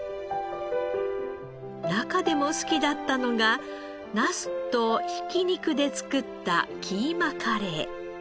中でも好きだったのがなすとひき肉で作ったキーマカレー。